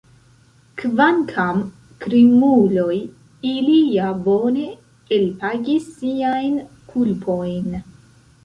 Kvankam krimuloj, ili ja bone elpagis siajn kulpojn!